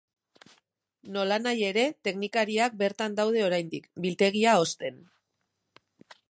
Nolanahi ere, teknikariak bertan daude oraindik, biltegia hozten.